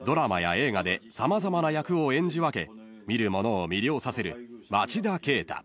映画で様々な役を演じ分け見る者を魅了させる町田啓太］